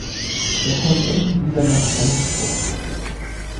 Er kommt endlich wieder nach Rendsburg.